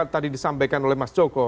tadi disampaikan oleh mas joko